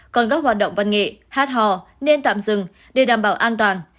còn các hoạt động văn nghệ hát hò nên tạm dừng để đảm bảo an toàn